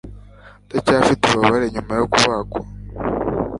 Ndacyafite ububabare nyuma yo kubagwa.